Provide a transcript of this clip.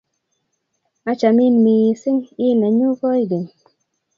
Achamin missing', i nenyun koingeny.